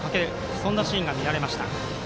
そんなシーンが見られました。